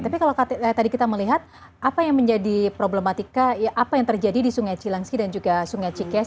tapi kalau tadi kita melihat apa yang menjadi problematika apa yang terjadi di sungai cilangsi dan juga sungai cikes